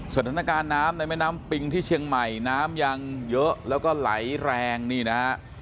สถานการณ์น้ำในแม่น้ำปิงที่เชียงใหม่น้ำยังเยอะแล้วก็ไหลแรงนี่นะฮะ